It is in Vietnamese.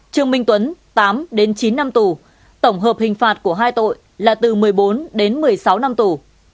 trương minh tuấn tám đến chín năm tù tổng hợp hình phạt của hai tội là từ một mươi bốn đến một mươi sáu năm tù